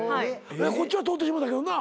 こっちは通ってしもうたけどな。